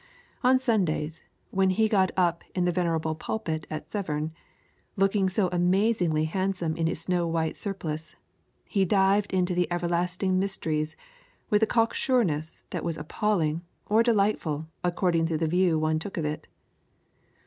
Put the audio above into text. On Sundays, when he got up in the venerable pulpit at Severn, looking so amazingly handsome in his snow white surplice, he dived into the everlasting mysteries with a cocksureness that was appalling or delightful according to the view one took of it.